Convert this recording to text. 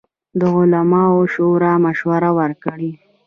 د علماوو شورا مشورې ورکوي